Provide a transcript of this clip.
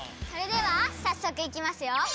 それではさっそくいきますよ。